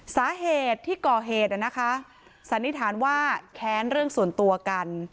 สาเหตุที่ก่อเหตุนะคะสันนิษฐานว่าแค้นเรื่องส่วนตัวกัน